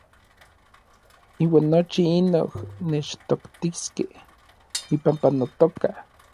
Iuan nochi inoj mechtoktiskej ipampa notoka.